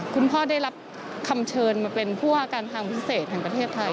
คุณพ่อได้รับคำเชิญมาเป็นผู้ว่าการทางพิเศษแห่งประเทศไทย